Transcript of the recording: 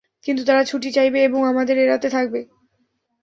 কিন্তু তারা ছুটি চাইবে এবং আমাদের এড়াতে থাকবে!